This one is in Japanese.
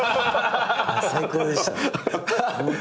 最高でした。